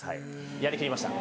やりきりました！